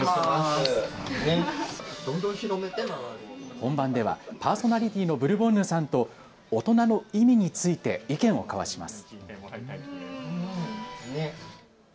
本番ではパーソナリティーのブルボンヌさんと、大人の意味について意見を交わします。